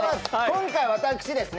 今回私ですね